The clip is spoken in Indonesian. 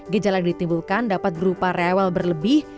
gejala yang ditimbulkan dapat berupa rewel berlebih